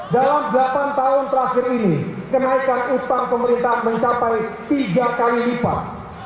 dalam delapan tahun terakhir ini kenaikan uspam pemerintah mencapai tiga kali lipat